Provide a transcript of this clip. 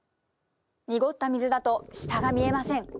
濁った水だと下が見えません。